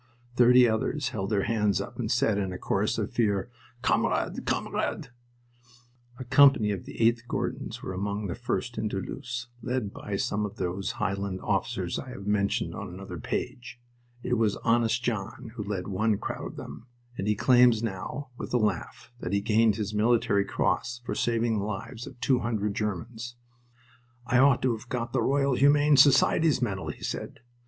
Thirty others held their hands up and said, in a chorus of fear, "Kamerad! Kamerad!" A company of the 8th Gordons were among the first into Loos, led by some of those Highland officers I have mentioned on another page. It was "Honest John" who led one crowd of them, and he claims now, with a laugh, that he gained his Military Cross for saving the lives of two hundred Germans. "I ought to have got the Royal Humane Society's medal," he said.